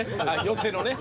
寄席のね。